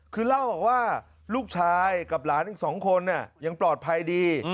คือเล่าบอกว่าลูกชายกับหลานอีก๒คนยังปลอดภัยดี